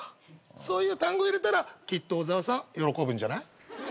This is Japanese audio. そういう単語入れたらきっと小沢さん喜ぶんじゃない？